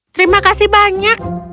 terima kasih banyak